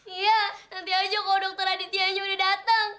iya nanti saja kalau dr aditya aja sudah datang